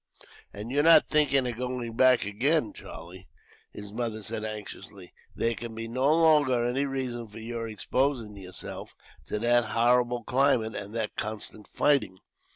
"And you're not thinking of going back again, Charlie?" his mother said, anxiously. "There can be no longer any reason for your exposing yourself to that horrible climate, and that constant fighting."